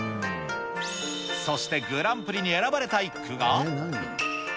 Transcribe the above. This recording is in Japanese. そしてグランプリに選ばれた一句が。